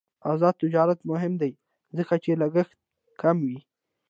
آزاد تجارت مهم دی ځکه چې لګښت کموي.